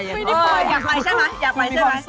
อยากไปใช่ไหม